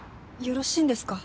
よろしいんですか？